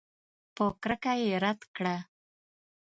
په کرکه یې رد کړه.